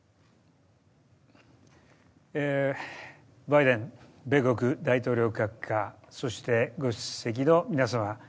バイデン米国大統領閣下、そしてご出席の皆様。